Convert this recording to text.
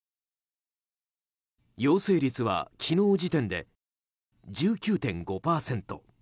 陽性率は昨日時点で１９．５％。